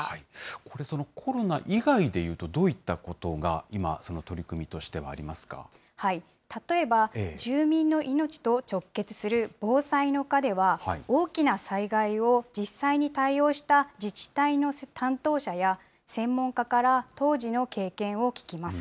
これ、コロナ以外で言うとどういったことが今、その取り組み例えば、住民の命と直結する防災の課では、大きな災害を、実際に対応した自治体の担当者や、専門家から当時の経験を聞きます。